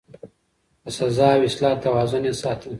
د سزا او اصلاح توازن يې ساته.